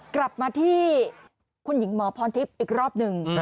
กลับมาที่คุณหญิงหมอพรทิพย์อีกรอบหนึ่ง